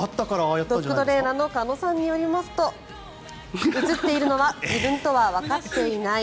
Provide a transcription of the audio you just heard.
ドッグトレーナーの鹿野さんによりますと映っているのは自分とはわかっていない。